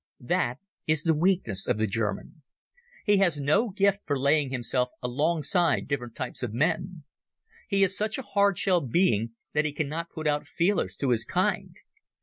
That is the weakness of the German. He has no gift for laying himself alongside different types of men. He is such a hard shell being that he cannot put out feelers to his kind.